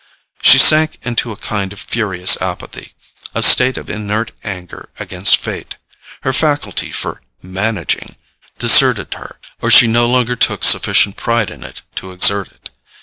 She sank into a kind of furious apathy, a state of inert anger against fate. Her faculty for "managing" deserted her, or she no longer took sufficient pride in it to exert it.